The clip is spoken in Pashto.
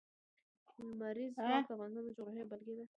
لمریز ځواک د افغانستان د جغرافیې بېلګه ده.